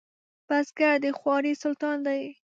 بزګر د خوارۍ سلطان دی